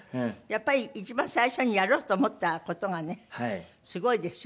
やっぱり一番最初にやろうと思った事がねすごいですよね。